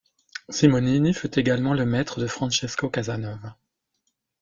Simonini fut également le maître de Francesco Casanova.